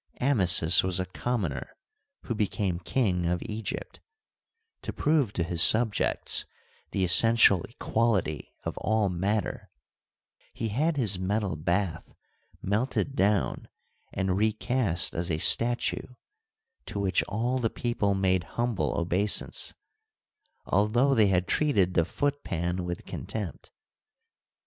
Amasis was a commoner, who became King of Egypt ; to prove to his subjects the essential equality of all matter, he had his metal bath melted down and re cast as a statue, to which all the people made humble obeisance, although they had treated the foot pan with contempt.